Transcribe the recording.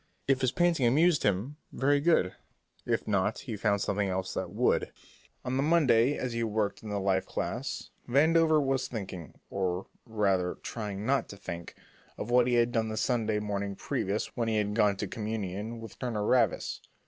If his painting amused him, very good; if not, he found something else that would. On the following Monday as he worked in the life class, Vandover was thinking, or, rather, trying not to think, of what he had done the Sunday morning previous when he had gone to communion with Turner Ravis.